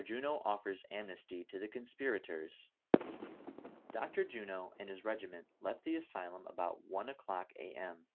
JUNO OFFERS AMNESTY TO THE CONSPIRATORS. OCTOR JUNO and his regiment left the asylum about one o'clock a.m.